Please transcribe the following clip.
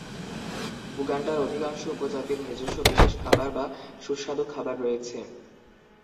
উগান্ডার অধিকাংশ উপজাতির নিজস্ব বিশেষ খাবার বা সুস্বাদু খাবার রয়েছে।